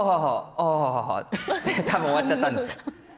ああって終わっちゃったんです。